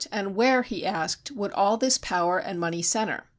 "And where," he asked, "would all this power and money center?